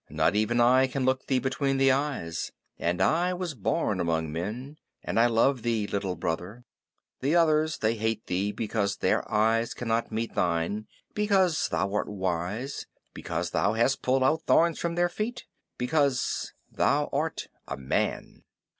"Not even I can look thee between the eyes, and I was born among men, and I love thee, Little Brother. The others they hate thee because their eyes cannot meet thine; because thou art wise; because thou hast pulled out thorns from their feet because thou art a man."